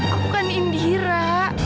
aku kan indira